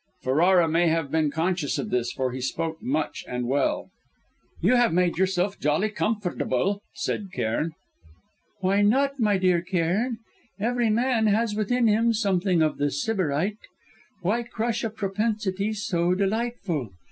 Ferrara may have been conscious of this, for he spoke much, and well. "You have made yourself jolly comfortable," said Cairn. "Why not, my dear Cairn? Every man has within him something of the Sybarite. Why crush a propensity so delightful?